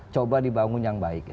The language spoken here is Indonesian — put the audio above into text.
coba dibangun yang baik